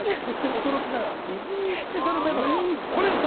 驚きなのはディズニースペシャルメドレー。